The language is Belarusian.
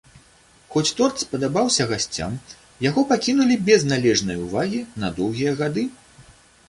Хоць торт спадабаўся гасцям, яго пакінулі без належнай увагі на доўгія гады.